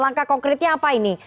langkah konkretnya apa ini